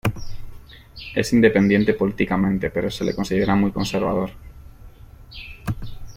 Es independiente políticamente pero se le considera muy conservador.